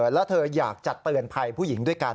แล้วเธออยากจะเตือนภัยผู้หญิงด้วยกัน